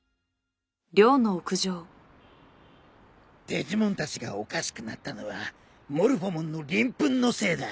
デジモンたちがおかしくなったのはモルフォモンのりん粉のせいだ。